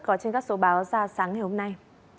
có trên các số báo ra sáng ngày hôm nay